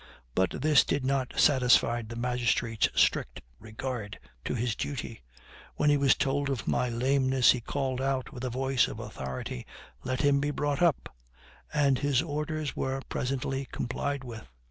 But this did not satisfy the magistrate's strict regard to his duty. When he was told of my lameness, he called out, with a voice of authority, "Let him be brought up," and his orders were presently complied with.